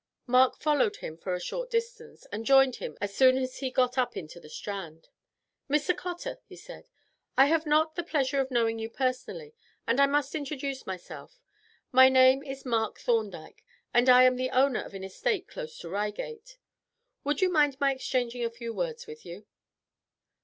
Mark followed him for a short distance, and joined him as soon as he got up into the Strand. "Mr. Cotter," he said, "I have not the pleasure of knowing you personally, and I must introduce myself. My name is Mark Thorndyke, and I am the owner of an estate close to Reigate. Would you mind my exchanging a few words with you?"